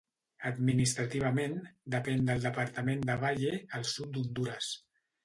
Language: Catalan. Administrativament, depén del departament de Valle, al sud d'Hondures.